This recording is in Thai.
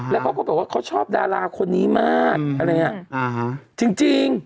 แล้วเขาก็บอกว่าเขาชอบดาราคนนี้มากอะไรอ่ะจริง